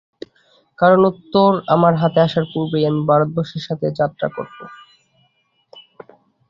কারণ উত্তর আমার হাতে আসার পূর্বেই আমি ভারতবর্ষের পথে যাত্রা করব।